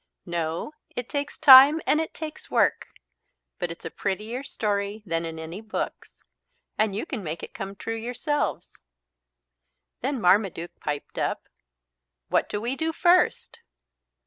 "No, it takes time and it takes work. But it's a prettier story than any in books. And you can make it come true yourselves." Then Marmaduke piped up: "What do we do first?"